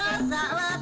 nah ini sudah hilang